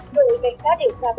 với cảnh sát điều tra vụ phạm